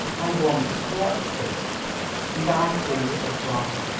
I want to correct it." "And I, too," said John.